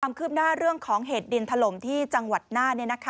คืบหน้าเรื่องของเหตุดินถล่มที่จังหวัดน่าน